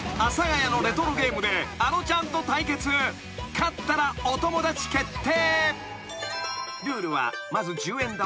［勝ったらお友達決定］